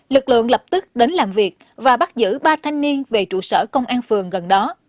lực lượng lập tức đến làm việc và bắt giữ ba thanh niên về trụ sở công an phường gần đó